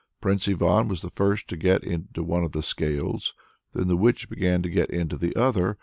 Prince Ivan was the first to get into one of the scales; then the witch began to get into the other.